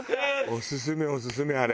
オススメオススメあれ。